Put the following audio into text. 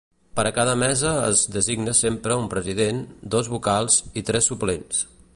Per a cada mesa es designa sempre un president, dos vocals i tres suplents.